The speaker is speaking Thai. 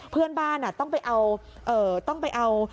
เพื่อนบ้านอ่ะต้องไปเอา